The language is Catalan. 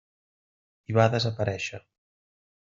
I va desaparèixer.